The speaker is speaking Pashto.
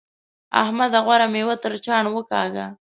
احمده! غوره مېوه تر چاڼ وکاږه.